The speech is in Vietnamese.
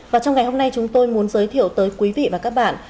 và trong ngày hôm nay chúng tôi muốn giới thiệu tới quý vị và các bạn